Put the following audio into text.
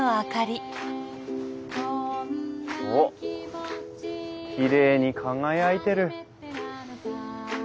おっきれいに輝いてる。